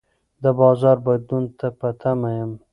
د بازار بدلون ته په تمه یم.